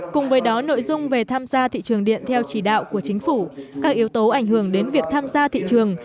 cùng với đó nội dung về tham gia thị trường điện theo chỉ đạo của chính phủ các yếu tố ảnh hưởng đến việc tham gia thị trường